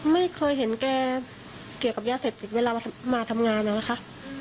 ไม่เคยเห็นแกเกี่ยวกับยาเสพติดเวลามาทำงานนะคะ